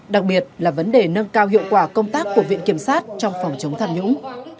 đặc biệt là vấn đề nâng cao hiệu quả công tác của viện kiểm sát trong phòng chống tham nhũng